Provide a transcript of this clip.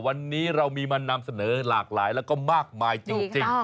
วันนี้เรามีมานำเสนอหลากหลายแล้วก็มากมายจริง